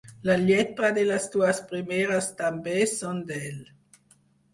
La lletra de les dues primeres també són d'ell.